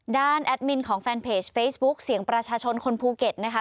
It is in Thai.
แอดมินของแฟนเพจเฟซบุ๊คเสียงประชาชนคนภูเก็ตนะคะ